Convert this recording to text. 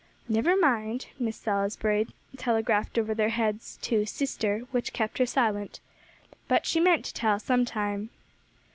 "Never mind," Miss Salisbury telegraphed over their heads, to "sister," which kept her silent. But she meant to tell sometime.